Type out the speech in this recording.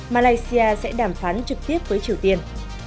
malaysia sẽ đàm phán trực tiếp với triều tiên